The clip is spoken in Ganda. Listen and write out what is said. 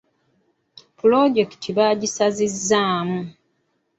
Pulojekiti baagisazizzaamu.